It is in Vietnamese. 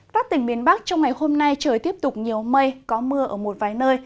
các tỉnh miền bắc trong ngày hôm nay trời tiếp tục nhiều mây có mưa ở một vài nơi